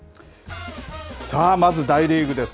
さあ、まず大リーグです。